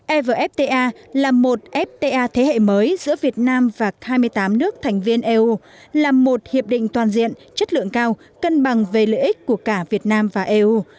evfta là một fta thế hệ mới giữa việt nam và hai mươi tám nước thành viên eu là một hiệp định toàn diện chất lượng cao cân bằng về lợi ích của cả việt nam và eu